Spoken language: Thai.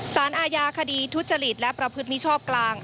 สารอาญาคดีทุจริตและประพฤติมิชอบกลาง